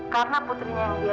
karena putrinya yang dia